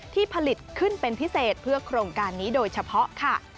ที่ผลิตขึ้นเป็นพิเศษเพื่อโครงการนี้โดยเฉพาะค่ะ